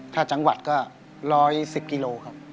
ถ้าจังหวัดก็๑๑๐กิโลครับ